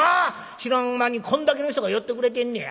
知らん間にこんだけの人が寄ってくれてんねや。